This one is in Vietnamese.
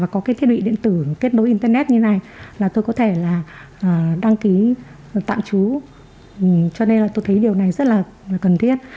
có cái thiết bị điện tử kết nối internet như này là tôi có thể là đăng ký tạm trú cho nên là tôi thấy điều này rất là cần thiết